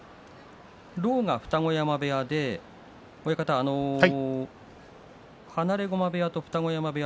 狼雅、二子山部屋で放駒部屋と二子山部屋